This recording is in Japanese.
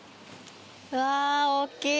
うわぁ、大きい。